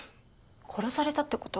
殺されたってこと？